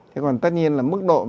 thế còn tất nhiên là mức độ